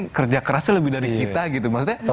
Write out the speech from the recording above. kerja kerasnya lebih dari kita gitu maksudnya